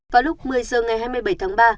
vào lúc một mươi h ngày hai mươi bảy tháng ba